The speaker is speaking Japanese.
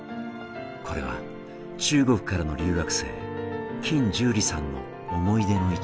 これは中国からの留学生金重李さんの思い出の一枚。